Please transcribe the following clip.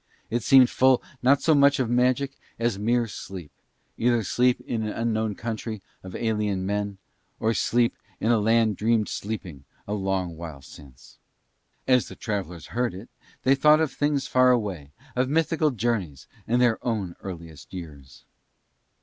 It seemed full not so much of magic as mere sleep, either sleep in an unknown country of alien men, or sleep in a land dreamed sleeping a long while since. As the travellers heard it they thought of things far away, of mythical journeys and their own earliest years.